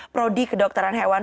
prodi kedokteran hewan